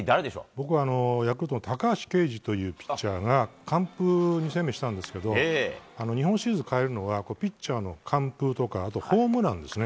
僕はヤクルトの高橋奎二というピッチャーが完封２戦目したんですけど日本シリーズを変えるのはピッチャーの完封とかホームランですね。